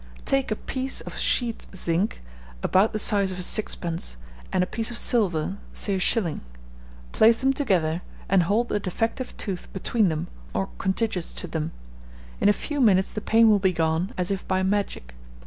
Take a piece of sheet zinc, about the size of a sixpence, and a piece of silver, say a shilling; place them together, and hold the defective tooth between them or contiguous to them; in a few minutes the pain will be gone, as if by magic.